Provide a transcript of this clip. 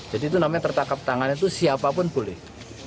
jadi itu namanya tertangkap tangan itu siapapun boleh